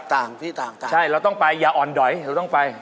ต่างที่ต่างต่างใช่เราต้องไปอย่าอ่อนดอยเราต้องไป